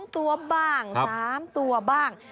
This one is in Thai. ๒ตัวบ้าง๓ตัวบ้าง